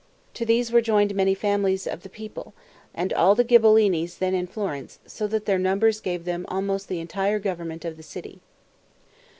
To these were joined many families of the people, and all the Ghibellines then in Florence, so that their great numbers gave them almost the entire government of the city.